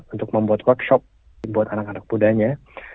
untuk membuat workshop buat anak anak buddhanya